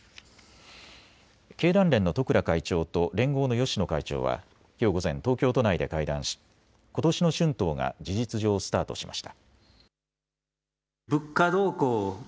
経団連の十倉会長と連合の芳野会長はきょう午前、東京都内で会談しことしの春闘が事実上、スタートしました。